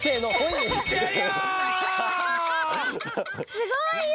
すごいよ！